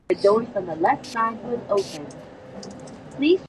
He was an associate editor of "Econometrica" and the "Journal of Economic Theory".